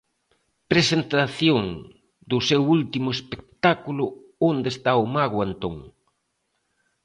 Presentación do seu último espectáculo Onde está o mago Antón.